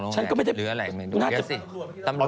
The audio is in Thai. ฉันก็ไม่ได้น่าจะสิ